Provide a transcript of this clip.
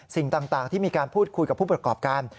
สิ่งต่างที่มีการพูดคุยกับผู้ประกอบการ